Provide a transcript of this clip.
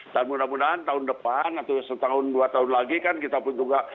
dan mudah mudahan tahun depan atau setahun dua tahun lagi kan kita pun juga